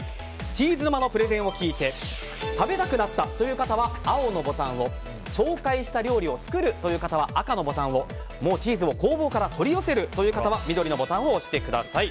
チーズ沼のプレゼンを聞いて食べたくなったという方は青のボタンを紹介した料理を作るという方は赤のボタンをもうチーズを工房から取り寄せるという方は緑のボタンを押してください。